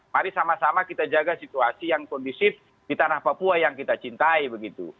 mari sama sama kita jaga situasi yang kondisif di tanah papua yang kita cintai begitu